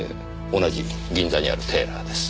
同じ銀座にあるテーラーです。